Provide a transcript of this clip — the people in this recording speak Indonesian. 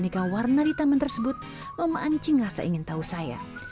aneka warna di taman tersebut memancing rasa ingin tahu saya